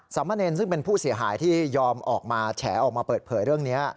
มะเนรซึ่งเป็นผู้เสียหายที่ยอมออกมาแฉออกมาเปิดเผยเรื่องนี้